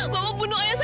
bapak bunuh ayah saya